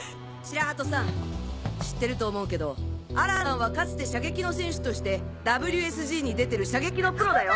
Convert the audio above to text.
白鳩さん知ってると思うけどアランさんはかつて射撃の選手としてＷＳＧに出てる射撃のプロだよ。